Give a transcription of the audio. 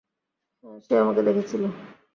হ্যাঁ, সে আমাকে দেখেছিল।